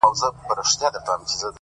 په شاعرۍ کي رياضت غواړمه!!